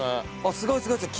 すごいすごいすごい！